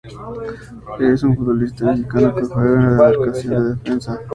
Es un futbolista mexicano que juega en la demarcación de defensa.